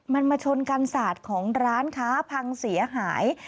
มันมาชนกันสาดของร้านค้าพังเสียหาย